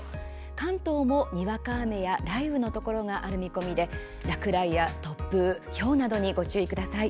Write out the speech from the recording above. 関東も、にわか雨や雷雨のところがある見込みで落雷や突風、ひょうなどにご注意ください。